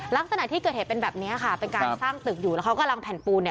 ลักษณะที่เกิดเหตุเป็นแบบนี้ค่ะเป็นการสร้างตึกอยู่แล้วเขากำลังแผ่นปูนเนี่ย